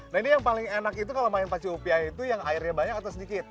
nah ini yang paling enak itu kalau main pacu upiah itu yang airnya banyak atau sedikit